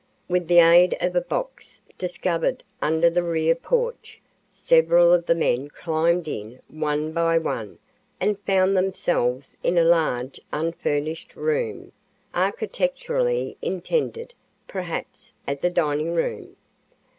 With the aid of a box discovered under the rear porch, several of the men climbed in one by one and found themselves in a large unfurnished room, architecturally intended, perhaps, as a dining room.